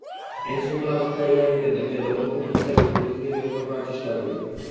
আইনশৃঙ্খলা রক্ষাকারী বাহিনীকে দিয়ে দমন-পীড়ন চালিয়ে পরিস্থিতি নিয়ন্ত্রণ করার চেষ্টা করবে।